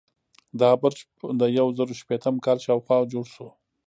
دا برج د یو زرو شپیتم کال شاوخوا جوړ شو.